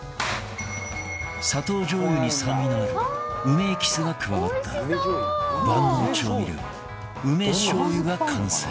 砂糖じょう油に酸味のある梅エキスが加わった万能調味料梅しょう油が完成